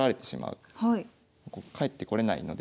帰ってこれないので。